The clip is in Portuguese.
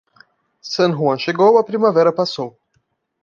San Juan chegou, a primavera passou.